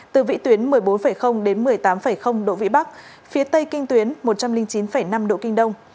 từ vị tuyến một mươi bốn đến một mươi tám độ vĩ bắc phía tây kinh tuyến một trăm linh chín năm độ kinh đông